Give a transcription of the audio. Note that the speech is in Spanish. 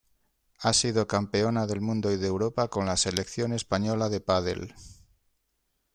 Ha sido campeona del Mundo y de Europa con la selección española de pádel.